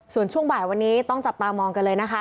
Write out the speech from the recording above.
ส่วนช่วงบ่ายวันนี้ต้องจับตามองกันเลยนะคะ